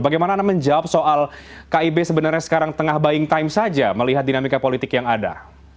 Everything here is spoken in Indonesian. bagaimana anda menjawab soal kib sebenarnya sekarang tengah buying time saja melihat dinamika politik yang ada